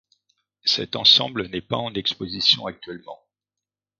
Cet ensemble n’est pas en exposition actuellement.